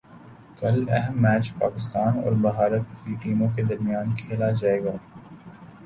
کل اہم میچ پاکستان اور بھارت کی ٹیموں کے درمیان کھیلا جائے گا